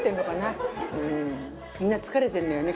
みんな疲れてるのよね？